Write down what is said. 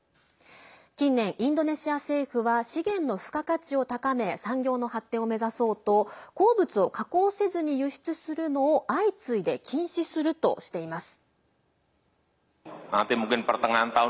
近年、インドネシア政府は資源の付加価値を高め産業の発展を目指そうと鉱物を加工せずに輸出するのを相次いで禁止するとしています。